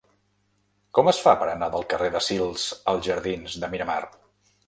Com es fa per anar del carrer de Sils als jardins de Miramar?